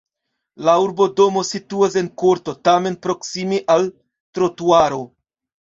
La urbodomo situas en korto, tamen proksime al trotuaro.